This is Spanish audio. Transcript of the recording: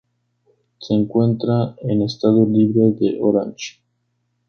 Se encuentra en Estado Libre de Orange.